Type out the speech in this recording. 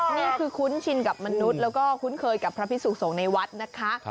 นี่คือคุ้นชินกับมนุษย์แล้วก็คุ้นเคยกับพระพิสุขสงฆ์ในวัดนะคะ